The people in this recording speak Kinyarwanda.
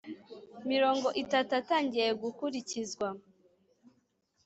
mirongo itatu atangiye gukurikizwa